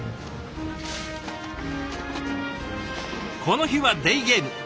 この日はデーゲーム。